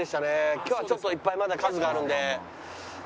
今日はちょっといっぱいまだ数があるんで。